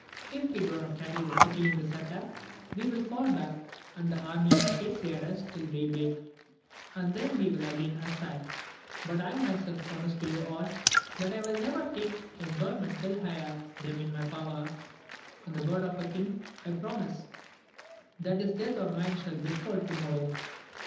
If we do not carry the city in this attack we will fall back, and the army may take their rest till day break, and then we will again assail ; but I myself promise to you all, that I will never take enjoyment till I have them in my power ; on the word of a king I promise, that his death or mine shall befal to morrow.